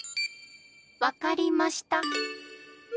わかりました！